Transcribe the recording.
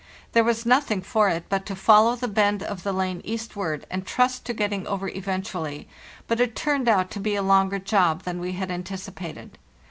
There was nothing for it but to follow the bend of the lane eastward and trust to getting over eventually, but it turned out to be a longer job than we had anticipated.